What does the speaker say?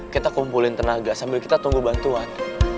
kita kumpulin tenaga sambil kita tunggu bantuan